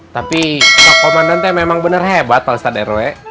tapi pak komandante memang bener hebat pausat rw